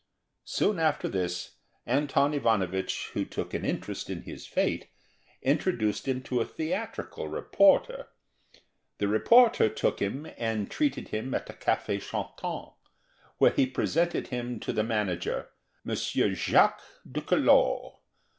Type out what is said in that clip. Soon after this, Anton Ivanovich, who took an interest in his fate, introduced him to a theatrical reporter; the reporter took him and treated him at a café chantant, where he presented him to the Manager, Monsieur Jacques Ducquelau.